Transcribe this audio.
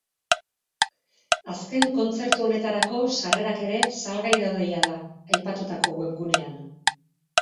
Azken kontzertu honetarako sarrerak ere salgai daude jada, aipatutako webgunean.